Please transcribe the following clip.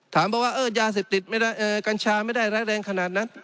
ถามว่ายาเสพติดกัญชาไม่ได้แรงขนาดนั้น